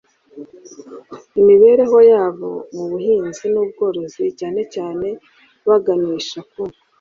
imibereho yabo mu buhinzi n ubworozi cyane cyane baganisha ku